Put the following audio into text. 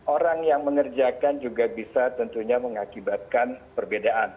orang yang mengerjakan juga bisa tentunya mengakibatkan perbedaan